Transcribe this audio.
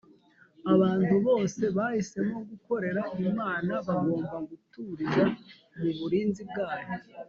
abantu bose bahisemo gukorera imana bagomba guturiza mu burinzi bwayo